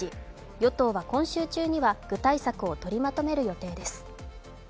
与党は今週中には具体策を取りまとめる予定です。